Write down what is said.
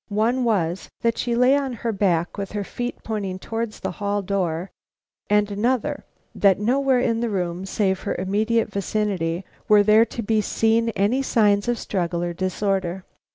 One was, that she lay on her back with her feet pointing towards the hall door, and another, that nowhere in the room, save in her immediate vicinity, were there to be seen any signs of struggle or disorder.